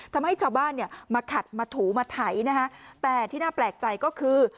ทำให้ชาวบ้านเนี่ยมาขัดมาถูมาไถนะฮะแต่ที่น่าแปลกใจก็คือ